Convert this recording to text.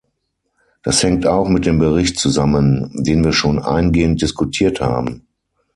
Das hängt auch mit dem Bericht zusammen, den wir schon eingehend diskutiert haben.